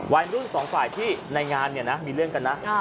วัยรุ่นสองฝ่ายที่ในงานเนี่ยนะมีเรื่องกันนะ